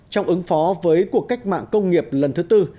trong ứng phó với cuộc cách mạng công nghiệp lần thứ tư